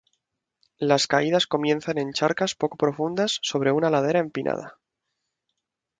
Las caídas comienzan en charcas poco profundas sobre una ladera empinada.